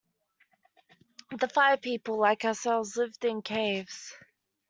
The Fire People, like ourselves, lived in caves.